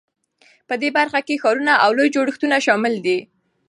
په دې برخه کې ښارونه او لوی جوړښتونه شامل دي.